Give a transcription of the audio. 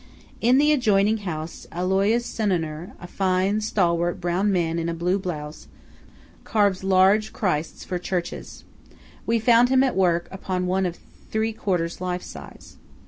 In the adjoining house, Alois Senoner, a fine, stalwart, brown man in a blue blouse, carves large Christs for churches. We found him at work upon one of three quarters life size.